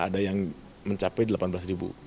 ada yang mencapai delapan belas ribu